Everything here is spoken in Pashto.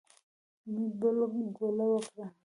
حميد بله ګوله وکړه.